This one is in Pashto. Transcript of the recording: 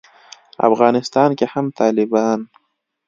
افغانستان کې هم طالبان